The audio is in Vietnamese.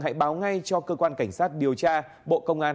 hãy báo ngay cho cơ quan cảnh sát điều tra bộ công an